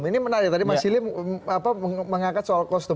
ini menarik ya tadi mas sili mengangkat soal kostum